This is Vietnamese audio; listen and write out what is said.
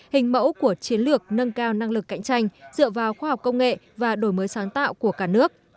hình mẫu của chiến lược nâng cao năng lực cạnh tranh dựa vào khoa học công nghệ và đổi mới sáng tạo của cả nước